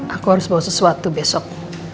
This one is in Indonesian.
aku harus bawa sesuatu besok